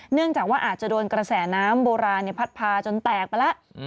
เนื่องจากว่าอาจจะโดนกระแสน้ำโบราณพัดพาจนแตกไปแล้ว